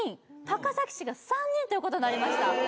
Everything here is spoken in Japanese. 高崎市が３人ということになりました